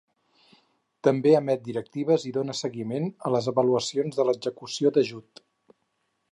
També emet directives i dóna seguiment a les avaluacions de l'execució d'ajut.